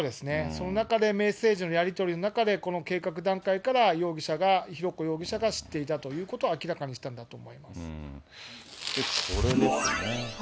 その中でメッセージのやり取りの中で、この計画段階から容疑者が、浩子容疑者が知っていたということが明らかにこれですね。